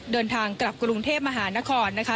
เดินทางกลับกรุงเทพมหานครนะคะ